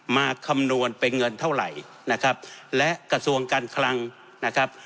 คำนวณเป็นเงินเท่าไหร่นะครับและกระทรวงการคลังนะครับ